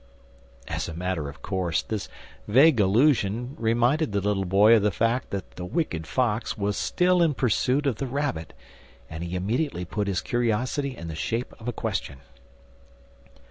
As a matter of course this vague allusion reminded the little boy of the fact that the wicked Fox was still in pursuit of the Rabbit, and he immediately put his curiosity in the shape of a question.